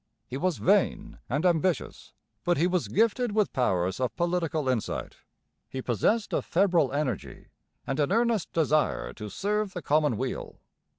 He was vain and ambitious. But he was gifted with powers of political insight. He possessed a febrile energy and an earnest desire to serve the common weal.